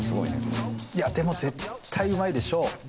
いやでも絶対うまいでしょう。